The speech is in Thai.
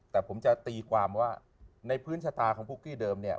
แต่ผมจะตีความว่าในภิกษาของพวกผู้จีนเดิมเนี่ย